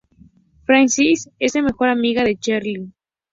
Francine: Es la mejor amiga de Cheryl.